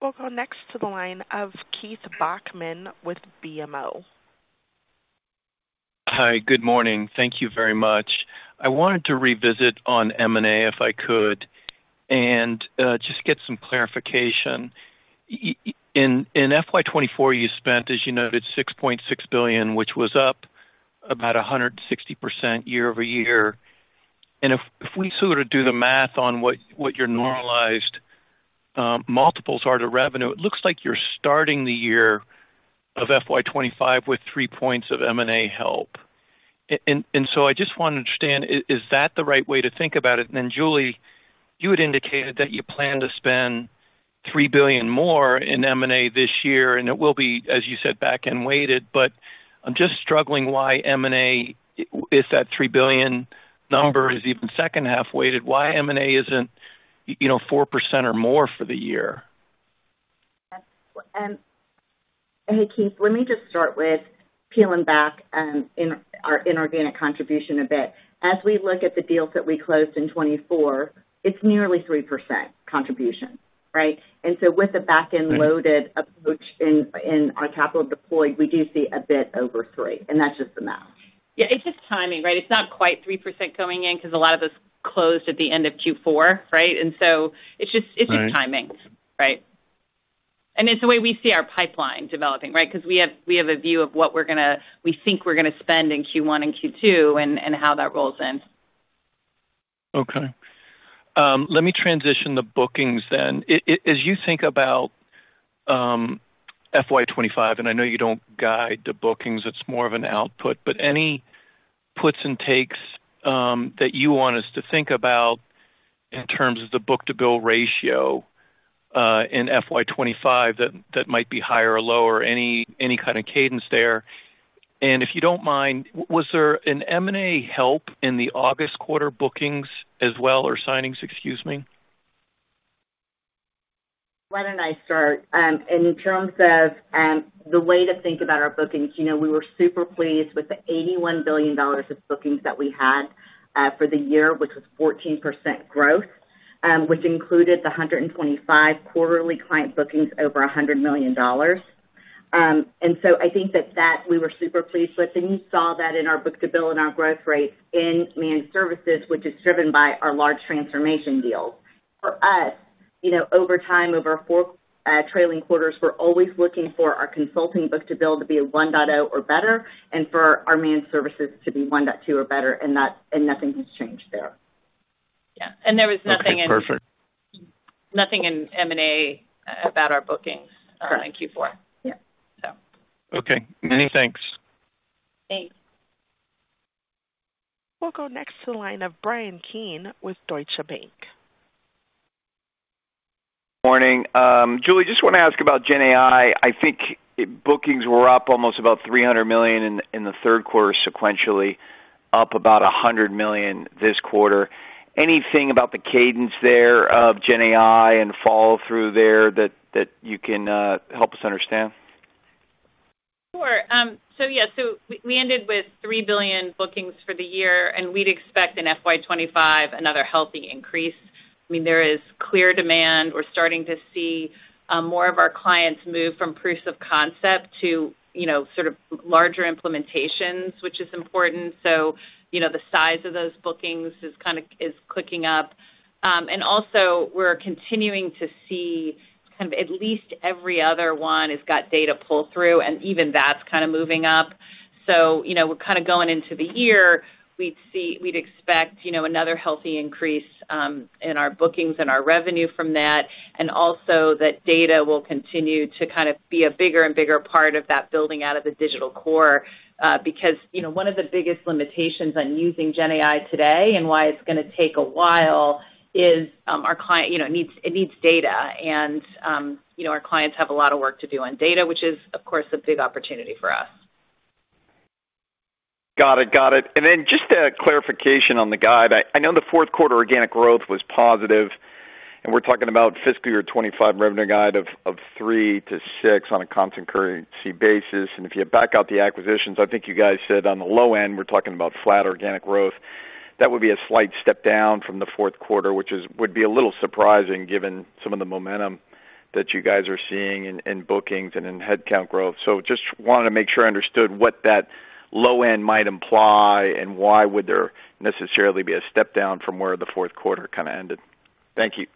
A: We'll go next to the line of Keith Bachman with BMO.
I: Hi, good morning. Thank you very much. I wanted to revisit on M&A, if I could, and just get some clarification. In FY 2024, you spent, as you noted, $6.6 billion, which was up about 160% year over year. And if we sort of do the math on what your normalized multiples are to revenue, it looks like you're starting the year of FY 2025 with 3 points of M&A help. And so I just want to understand, is that the right way to think about it? And then, Julie, you had indicated that you plan to spend $3 billion more in M&A this year, and it will be, as you said, back-end weighted. But I'm just struggling why M&A, if that three billion number is even second-half weighted, why M&A isn't, you know, 4% or more for the year?
E: Hey, Keith, let me just start with peeling back our inorganic contribution a bit. As we look at the deals that we closed in 2024, it's nearly 3% contribution, right? And so with the back-end loaded approach in our capital deployed, we do see a bit over three, and that's just the math.
C: Yeah, it's just timing, right? It's not quite 3% going in because a lot of those closed at the end of Q4, right? And so it's just-
I: Right.
C: It's just timing, right? And it's the way we see our pipeline developing, right? Because we have a view of what we think we're gonna spend in Q1 and Q2, and how that rolls in.
I: Okay. Let me transition to bookings then. As you think about FY 2025, and I know you don't guide the bookings, it's more of an output, but any puts and takes that you want us to think about in terms of the book-to-bill ratio in FY 2025 that might be higher or lower, any kind of cadence there? And if you don't mind, was there an M&A help in the August quarter bookings as well, or signings, excuse me?
E: Why don't I start? And in terms of the way to think about our bookings, you know, we were super pleased with the $81 billion of bookings that we had for the year, which was 14% growth, which included the 125 quarterly client bookings over $100 million. And so I think that we were super pleased with. And you saw that in our book-to-bill and our growth rates in Managed Services, which is driven by our large transformation deals. For us, you know, over time, over four trailing quarters, we're always looking for our Consulting book-to-bill to be a 1.0 or better, and for our Managed Services to be 1.2 or better, and that and nothing has changed there.
C: Yeah, and there was nothing in-
I: Perfect.
C: Nothing in M&A about our bookings-
E: Correct.
C: -in Q4.
E: Yeah.
C: So.
I: Okay. Many thanks.
E: Thanks.
A: We'll go next to the line of Bryan Keane with Deutsche Bank.
J: Morning. Julie, just want to ask about GenAI. I think bookings were up almost about $300 million in the third quarter sequentially, up about $100 million this quarter. Anything about the cadence there of GenAI and follow-through there that you can help us understand?
C: Sure. So yeah, so we ended with $3 billion bookings for the year, and we'd expect in FY 2025 another healthy increase. I mean, there is clear demand. We're starting to see more of our clients move from proofs of concept to, you know, sort of larger implementations, which is important. So, you know, the size of those bookings is kind of clicking up. And also, we're continuing to see kind of at least every other one has got data pull-through, and even that's kind of moving up. So, you know, we're kind of going into the year. We'd expect, you know, another healthy increase in our bookings and our revenue from that, and also that data will continue to kind of be a bigger and bigger part of that building out of the Digital Core. Because, you know, one of the biggest limitations on using GenAI today and why it's gonna take a while is our client. You know, it needs data, and you know, our clients have a lot of work to do on data, which is, of course, a big opportunity for us.
J: Got it. Got it. And then just a clarification on the guide. I, I know the fourth quarter organic growth was positive, and we're talking about fiscal year 2025 revenue guide of 3%-6% on a constant currency basis. And if you back out the acquisitions, I think you guys said on the low end, we're talking about flat organic growth. That would be a slight step down from the fourth quarter, which would be a little surprising, given some of the momentum that you guys are seeing in bookings and in headcount growth. So just wanted to make sure I understood what that low end might imply and why would there necessarily be a step down from where the fourth quarter kind of ended? Thank you.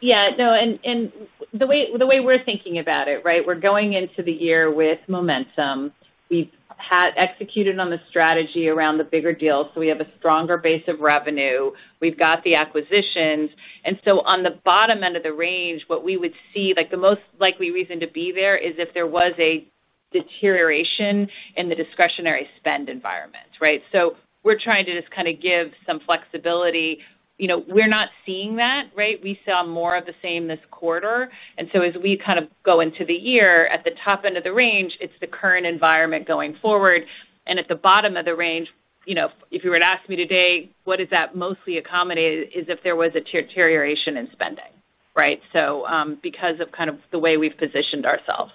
C: Yeah, no, and the way we're thinking about it, right, we're going into the year with momentum. We've had executed on the strategy around the bigger deals, so we have a stronger base of revenue. We've got the acquisitions. And so on the bottom end of the range, what we would see, like, the most likely reason to be there is if there was a deterioration in the discretionary spend environment, right? So we're trying to just kind of give some flexibility. You know, we're not seeing that, right? We saw more of the same this quarter, and so as we kind of go into the year, at the top end of the range, it's the current environment going forward. And at the bottom of the range, you know, if you were to ask me today, what is that mostly accommodated, is if there was a deterioration in spending, right? So, because of kind of the way we've positioned ourselves.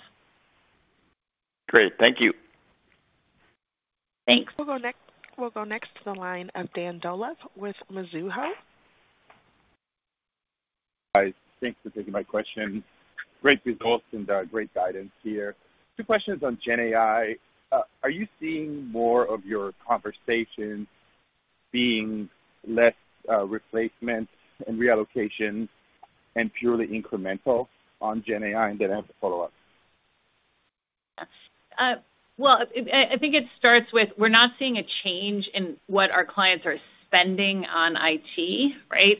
J: Great. Thank you.
C: Thanks.
A: We'll go next to the line of Dan Dolev with Mizuho.
K: Hi, thanks for taking my question. Great results and great guidance here. Two questions on GenAI. Are you seeing more of your conversations being less replacements and reallocations and purely incremental on GenAI? And then I have a follow-up.
C: Well, I think it starts with, we're not seeing a change in what our clients are spending on IT, right?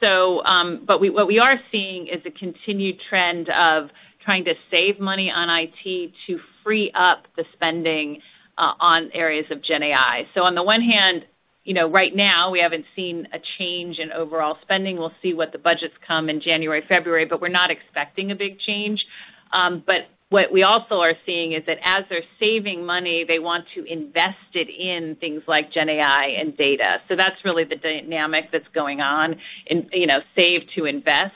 C: So, but what we are seeing is a continued trend of trying to save money on IT to free up the spending on areas of GenAI. So on the one hand, you know, right now, we haven't seen a change in overall spending. We'll see what the budgets come in January, February, but we're not expecting a big change. But what we also are seeing is that as they're saving money, they want to invest it in things like GenAI and data. So that's really the dynamic that's going on, you know, save to invest.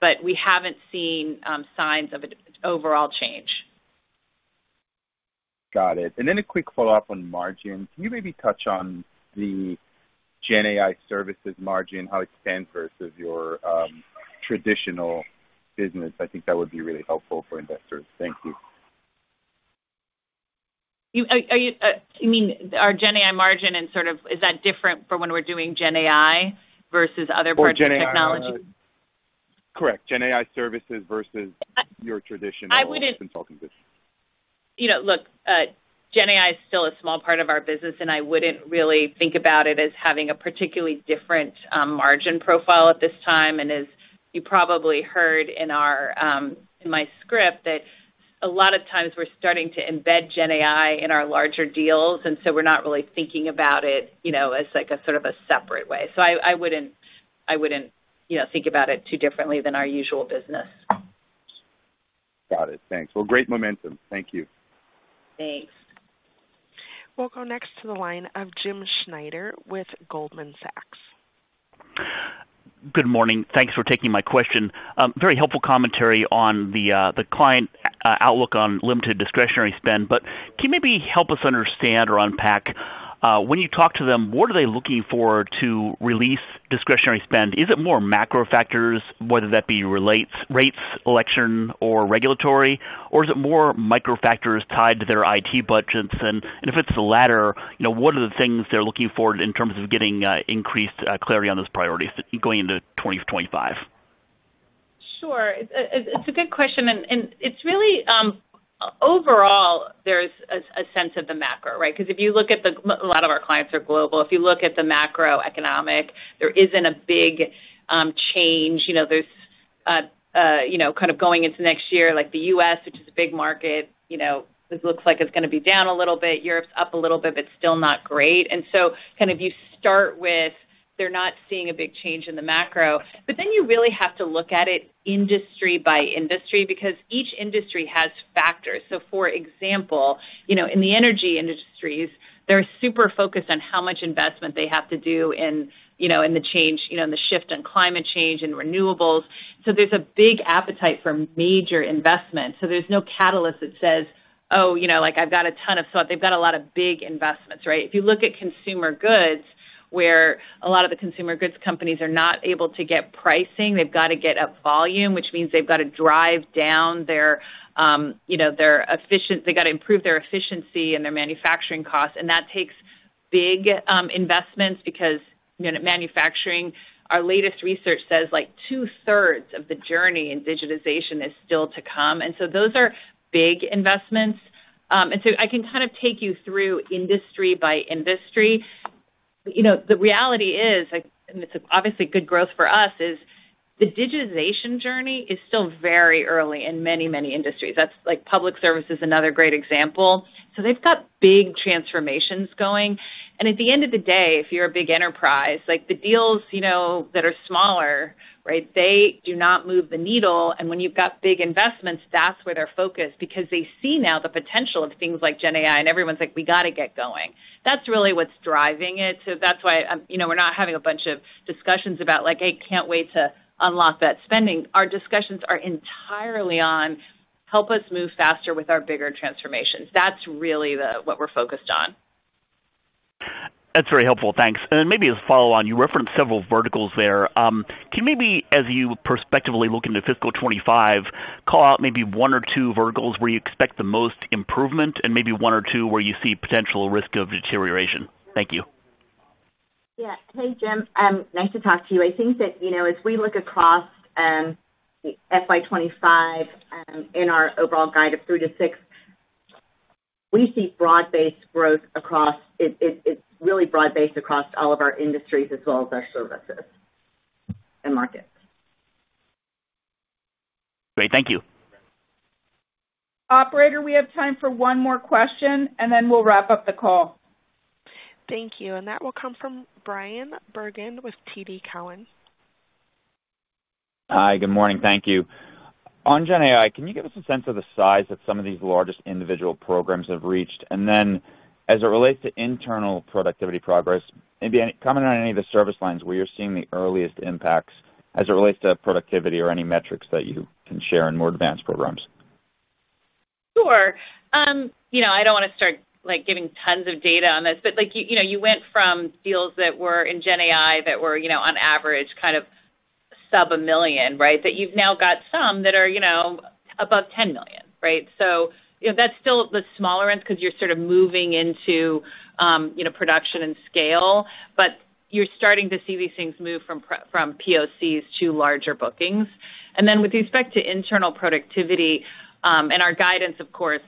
C: But we haven't seen signs of a overall change.
K: Got it. And then a quick follow-up on margins. Can you maybe touch on the GenAI services margin, how it stands versus your traditional business? I think that would be really helpful for investors. Thank you.
C: Are you, you mean our GenAI margin and sort of, is that different from when we're doing GenAI versus other parts of technology?
K: Correct. GenAI services versus-
C: I wouldn't-
K: your traditional Consulting business.
C: You know, look, GenAI is still a small part of our business, and I wouldn't really think about it as having a particularly different margin profile at this time. And as you probably heard in my script, that a lot of times we're starting to embed GenAI in our larger deals, and so we're not really thinking about it, you know, as, like, a sort of a separate way. So I wouldn't, you know, think about it too differently than our usual business.
K: Got it. Thanks. Well, great momentum. Thank you.
C: Thanks.
A: We'll go next to the line of Jim Schneider with Goldman Sachs.
L: Good morning. Thanks for taking my question. Very helpful commentary on the client outlook on limited discretionary spend. But can you maybe help us understand or unpack when you talk to them, what are they looking for to release discretionary spend? Is it more macro factors, whether that be related to rates, election, or regulatory, or is it more micro factors tied to their IT budgets? And if it's the latter, you know, what are the things they're looking for in terms of getting increased clarity on those priorities going into 2025?
C: Sure. It's a good question, and it's really overall, there's a sense of the macro, right? Because if you look at the macro. A lot of our clients are global. If you look at the macroeconomic, there isn't a big change. You know, there's you know, kind of going into next year, like the U.S., which is a big market, you know, it looks like it's gonna be down a little bit. Europe's up a little bit, but still not great. And so kind of you start with, they're not seeing a big change in the macro. But then you really have to look at it industry by industry, because each industry has factors. So for example, you know, in the Energy industries, they're super focused on how much investment they have to do in, you know, in the change, you know, in the shift on climate change and renewables. So there's a big appetite for major investment. So there's no catalyst that says, "Oh, you know, like, I've got a ton of stuff." They've got a lot of big investments, right? If you look at consumer goods, where a lot of the consumer goods companies are not able to get pricing, they've got to get up volume, which means they've got to drive down their, you know, their they've got to improve their efficiency and their manufacturing costs, and that takes big investments, because, you know, manufacturing, our latest research says, like, two-thirds of the journey in digitization is still to come. And so those are big investments. And so I can kind of take you through industry by industry. You know, the reality is, like, and it's obviously good growth for us, is the digitization journey is still very early in many, many industries. That's, like, Public Service is another great example. So they've got big transformations going. And at the end of the day, if you're a big enterprise, like, the deals, you know, that are smaller, right, they do not move the needle. And when you've got big investments, that's where they're focused, because they see now the potential of things like GenAI, and everyone's like: We gotta get going. That's really what's driving it. So that's why, you know, we're not having a bunch of discussions about, like: I can't wait to unlock that spending. Our discussions are entirely on... help us move faster with our bigger transformations. That's really what we're focused on.
L: That's very helpful. Thanks. And then maybe a follow-on. You referenced several verticals there. Can you maybe, as you prospectively look into fiscal 2025, call out maybe one or two verticals where you expect the most improvement and maybe one or two where you see potential risk of deterioration? Thank you.
E: Yeah. Hey, Jim, nice to talk to you. I think that, you know, as we look across FY 2025, in our overall guide of three to six, we see broad-based growth across it. It's really broad-based across all of our industries as well as our services and markets.
L: Great. Thank you.
C: Operator, we have time for one more question, and then we'll wrap up the call.
A: Thank you, and that will come from Bryan Bergin with TD Cowen.
M: Hi, good morning. Thank you. On GenAI, can you give us a sense of the size that some of these largest individual programs have reached? And then as it relates to internal productivity progress, maybe any comment on any of the service lines where you're seeing the earliest impacts as it relates to productivity or any metrics that you can share in more advanced programs.
C: Sure. You know, I don't want to start, like, giving tons of data on this, but like you, you know, you went from deals that were in GenAI, that were, you know, on average kind of sub-$1 million, right? That you've now got some that are, you know, above $10 million, right? So, you know, that's still the smaller end because you're sort of moving into, you know, production and scale, but you're starting to see these things move from POCs to larger bookings. And then with respect to internal productivity, and our guidance, of course,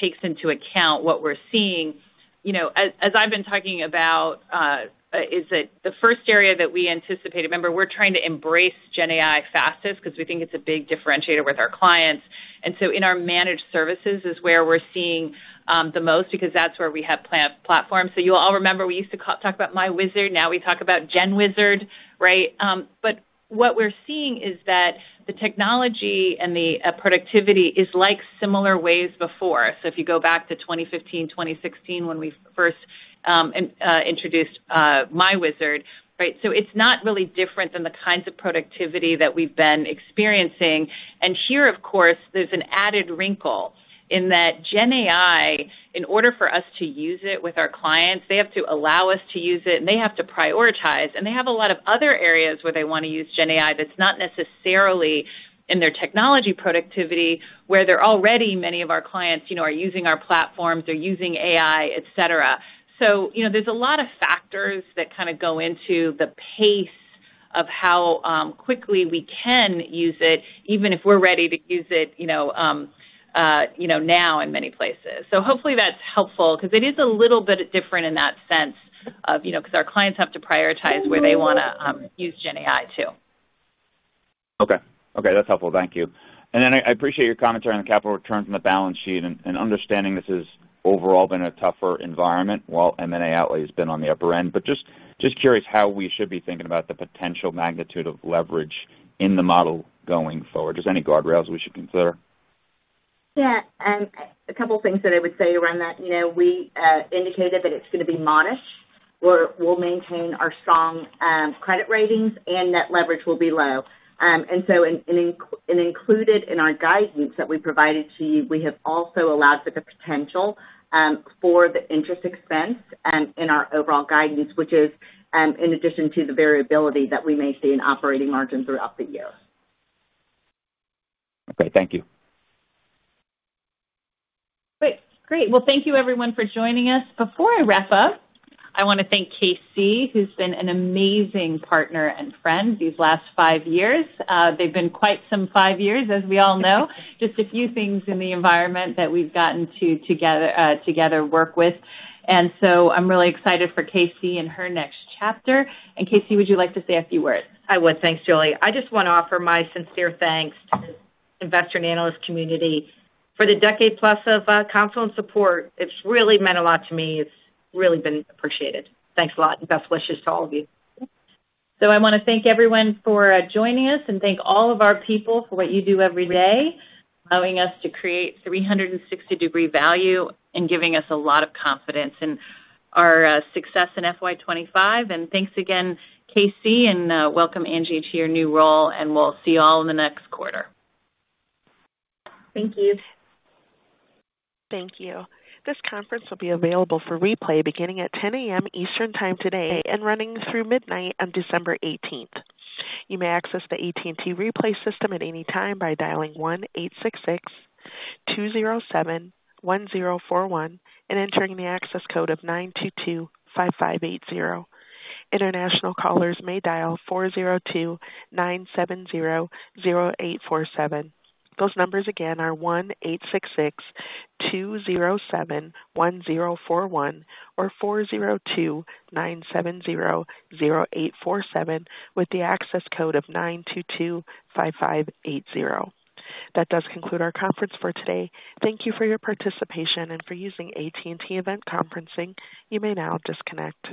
C: takes into account what we're seeing. You know, as I've been talking about, is that the first area that we anticipate. Remember, we're trying to embrace GenAI fastest because we think it's a big differentiator with our clients. And so in our Managed Services is where we're seeing the most, because that's where we have platforms. You'll all remember, we used to talk about myWizard. Now we talk about GenWizard, right? But what we're seeing is that the technology and the productivity is like similar ways before. If you go back to 2015, 2016, when we first introduced myWizard, right? It's not really different than the kinds of productivity that we've been experiencing. And here, of course, there's an added wrinkle in that GenAI. In order for us to use it with our clients, they have to allow us to use it, and they have to prioritize. They have a lot of other areas where they want to use GenAI that's not necessarily in their technology productivity, where they're already, many of our clients, you know, are using our platforms, they're using AI, et cetera, so you know, there's a lot of factors that kind of go into the pace of how quickly we can use it, even if we're ready to use it, you know, now in many places, so hopefully that's helpful because it is a little bit different in that sense of, you know, because our clients have to prioritize where they want to use GenAI, too.
M: Okay. Okay, that's helpful. Thank you, and then I, I appreciate your commentary on the capital return from the balance sheet and, and understanding this has overall been a tougher environment, while M&A outlay has been on the upper end, but just, just curious how we should be thinking about the potential magnitude of leverage in the model going forward. Is there any guardrails we should consider?
E: Yeah, a couple of things that I would say around that. You know, we indicated that it's going to be modest. We'll maintain our strong credit ratings and net leverage will be low. And so included in our guidance that we provided to you, we have also allowed for the potential for the interest expense in our overall guidance, which is in addition to the variability that we may see in operating margins throughout the year.
M: Okay. Thank you.
C: Great. Great. Well, thank you everyone for joining us. Before I wrap up, I want to thank KC, who's been an amazing partner and friend these last five years. They've been quite some five years, as we all know. Just a few things in the environment that we've gotten to together work with. And so I'm really excited for KC and her next chapter. And KC, would you like to say a few words?
D: I would. Thanks, Julie. I just want to offer my sincere thanks to the investor and analyst community for the decade plus of, confidence, support. It's really meant a lot to me. It's really been appreciated. Thanks a lot, and best wishes to all of you.
C: So I want to thank everyone for joining us and thank all of our people for what you do every day, allowing us to create 360 Degree Value and giving us a lot of confidence in our success in FY 2025. And thanks again, KC, and welcome, Angie, to your new role, and we'll see you all in the next quarter.
E: Thank you.
A: Thank you. This conference will be available for replay beginning at 10:00 A.M. Eastern Time today and running through midnight on December 18th. You may access the AT&T replay system at any time by dialing one eight six six two zero seven one zero four one and entering the access code of nine two two five five eight zero. International callers may dial four zero two nine seven zero zero eight four seven. Those numbers again are one eight six six two zero seven one zero four one or four zero two nine seven zero zero eight four seven, with the access code of nine two two five five eight zero. That does conclude our conference for today. Thank you for your participation and for using AT&T event conferencing. You may now disconnect.